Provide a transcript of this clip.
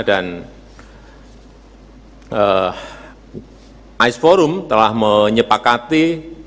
dan ais forum telah menyepakati